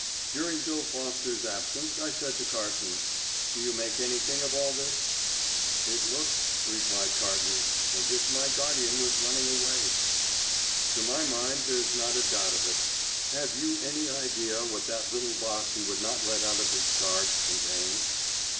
During Bill Foster's absence I said to Carton, "Do you make anything of all this?" "It looks," replied Carton, "as if my guardian was running away." "To my mind there's not a doubt of it. Have you any idea what that little box he would not let out of his charge contains?"